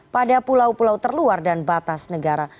pada pulau pulau terluar dan batas negara